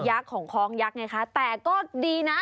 ของคล้องยักษ์ไงคะแต่ก็ดีนะ